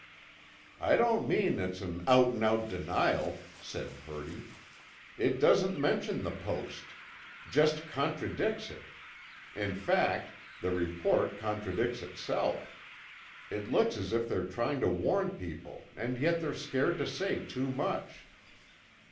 "I don't mean it's an out and out denial," said Purdy. "It doesn't mention the Post—just contradicts it. In fact, the report contradicts itself. It looks as if they're trying to warn people and yet they're scared to say too much."